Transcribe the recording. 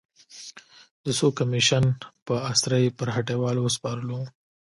د څو کمېشن په اسره یې پر هټیوال وسپارلو.